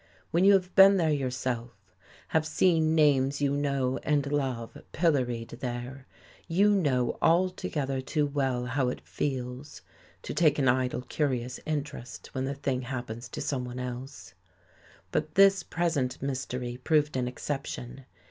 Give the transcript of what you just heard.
When you have been there yourself, have seen names you know and love pilloried there, you know altogether too well how it feels, to take an idle curious interest when the thing happens to someone else. But this present mystery proved an exception.